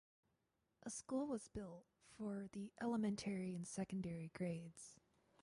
A school was built for the elementary and secondary grades.